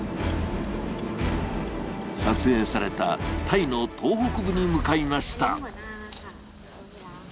撮影されたタイの東北部に向かいました。